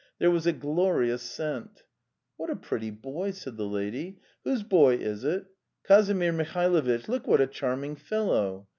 There was a glorious scent. 'What a pretty boy!" said the lady. '' Whose boy is it? Kazimir Mihalovitch, look what a charming fellow!